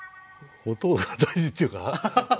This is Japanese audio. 音が大事っていうか目安。